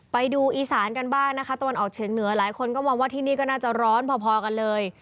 ไปดูอีสานกันบ้างนะคะตอนออกเชียงเหนือหลายคนคงมองว่ามันจะร้อนพอกันเลย